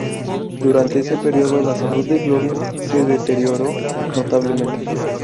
Durante ese periodo la salud de Gloria se deterioró notablemente.